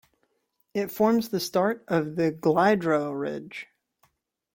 It forms the start of the Glyderau ridge.